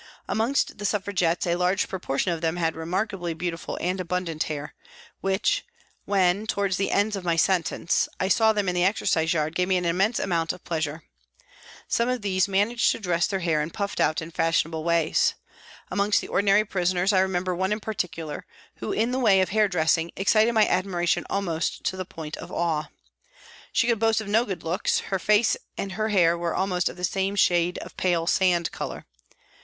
Amongst the Suffragettes, a large proportion of them had remarkably beautiful and abundant hair, which when, towards the end of my sentence, I saw them in the exercise yard gave me an immense amount of pleasure. Some of these managed to dress their hair hi puffed out and fashionable ways. Amongst the ordinary prisoners I remember one in particular who, in the way of hair dressing, excited my admira tion almost to the point of awe. She could boast of no good looks, her face and her hair were of almost the same shade of pale sand colour.